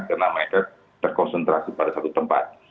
karena mereka terkonsentrasi pada satu tempat